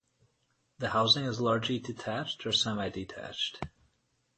The housing is largely detached or semi-detached.